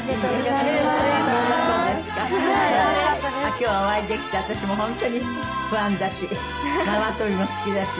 今日はお会いできて私も本当にファンだし縄跳びも好きだし。